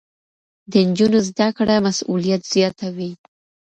د نجونو زده کړه مسؤليت زياتوي.